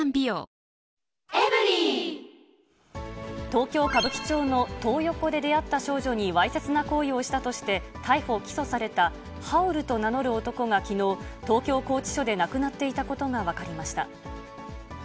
東京・歌舞伎町のトー横で出会った少女にわいせつな行為をしたとして、逮捕・起訴された、ハウルと名乗る男がきのう、東京拘置所で亡くなっていたことが分かりました。